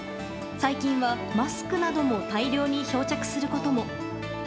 最近はマスクなども大量に漂着することも。